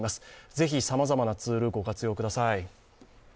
ぜひさまざまなツール、ご活用ください。